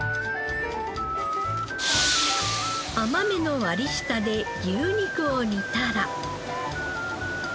甘めの割り下で牛肉を煮たら。